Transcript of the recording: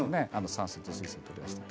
酸素と水素を取り出して。